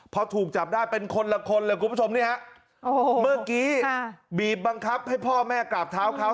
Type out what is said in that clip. พอถูกจับได้เป็นคนละคนเลยคุณผู้ชมนี่ฮะเมื่อกี้บีบบังคับให้พ่อแม่กราบเท้าเขา